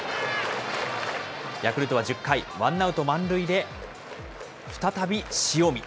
ヤクルトは１０回、ワンアウト満塁で再び塩見。